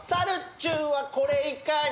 ちゅんはこれいかに？